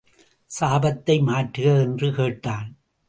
சாபத்தை மாற்றுக என்று கேட்டான்.